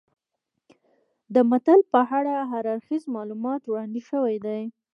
د متل په اړه هر اړخیز معلومات وړاندې شوي دي